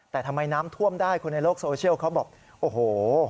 แต่ทำไมน้ำท่วมได้คนในโลกโซเชียลเขาบอกโอ้โห